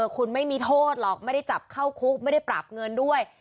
คุณไม่มีโทษหรอกไม่ได้จับเข้าคุกไม่ได้ปรับเงินด้วย